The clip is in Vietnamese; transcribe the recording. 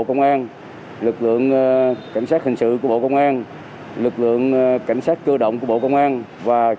công an lực lượng cảnh sát hình sự của bộ công an lực lượng cảnh sát cơ động của bộ công an và